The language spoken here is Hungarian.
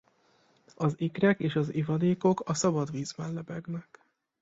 Az ikrák és az ivadékok a szabad vízben lebegnek.